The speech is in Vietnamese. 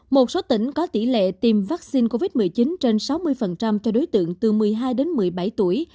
một số tỉnh có tỷ lệ tiêm vaccine covid một mươi chín trên sáu mươi cho đối tượng từ một mươi hai đến một mươi bảy tuổi